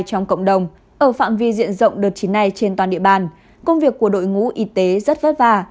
trong cộng đồng ở phạm vi diện rộng đợt chín này trên toàn địa bàn công việc của đội ngũ y tế rất vất vả